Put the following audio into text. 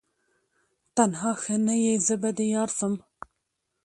تنها ښه نه یې زه به دي یارسم